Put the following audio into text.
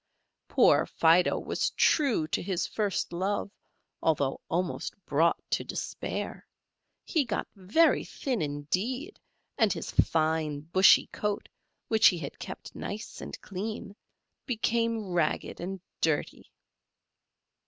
Poor Fido was true to his first love, although almost brought to despair; he got very thin indeed, and his fine bushy coat, which he had kept nice and clean, became ragged and dirty.